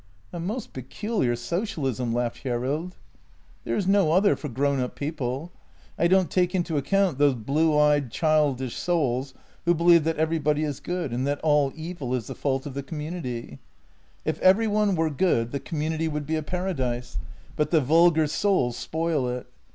" A most peculiar socialism," laughed Hjerrild. " There is no other for grown up people. I don't take into account those blue eyed, childish souls who believe that every body is good and that all evil is the fault of the community 7 . If every one were good, the community would be a paradise, but the vulgar souls spoil it.